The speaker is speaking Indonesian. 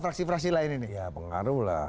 fraksi fraksi lain ini ya pengaruh lah